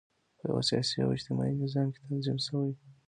په یوه سیاسي او اجتماعي نظام کې تنظیم شوي.